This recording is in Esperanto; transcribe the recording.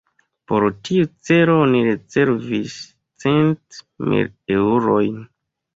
Por tiu celo oni rezervis cent mil eŭrojn.